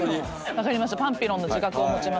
分かりました。